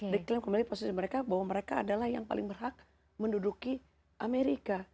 diklaim kembali posisi mereka bahwa mereka adalah yang paling berhak menduduki amerika